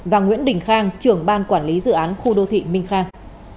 và nguyễn đình khang trưởng ban quản lý dự án khu đô thị minh khang